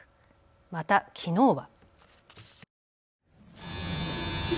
また、きのうは。